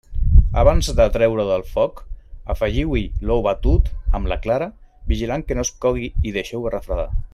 Abans de treure-ho del foc, afegiu-hi l'ou batut, amb la clara, vigilant que no es cogui i deixeu-ho refredar.